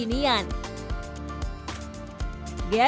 ini adalah minuman kekinian